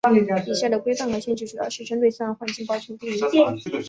以下的规范和限制主要是针对自然环境保全地域。